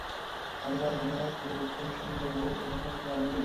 আমার এখানে কোনো প্রক্রিয়া অনুসরণের ব্যাপার নেই, এখানে কোনো আইনজীবী নেই।